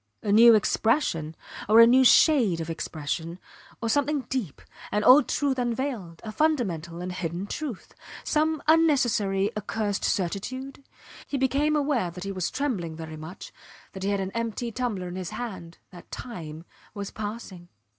A new expression or a new shade of expression? or something deep an old truth unveiled, a fundamental and hidden truth some unnecessary, accursed certitude? He became aware that he was trembling very much, that he had an empty tumbler in his hand that time was passing.